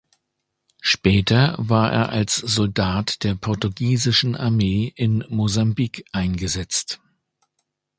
Später war er als Soldat der portugiesischen Armee in Mosambik eingesetzt.